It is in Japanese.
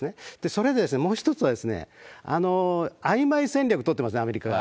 それでもう一つはですね、あいまい戦略を取ってますね、アメリカが。